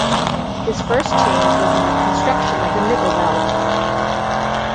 His first change was in the construction of the nipple valve.